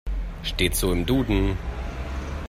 Steht so im Duden.